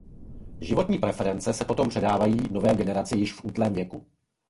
Životní preference se potom předávají nové generaci již v útlém věku.